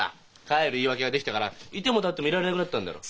帰る言い訳が出来たから居ても立ってもいられなくなったんだろ？